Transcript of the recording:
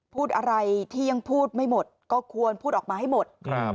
พูดอะไรที่ยังพูดไม่หมดก็ควรพูดออกมาให้หมด